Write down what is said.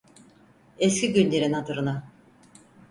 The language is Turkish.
Eski günlerin hatırına.